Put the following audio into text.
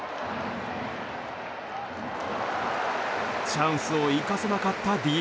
チャンスを生かせなかったＤｅＮＡ。